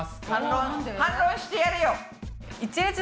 反論してやれよ。